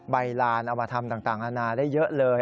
ลานเอามาทำต่างอาณาได้เยอะเลย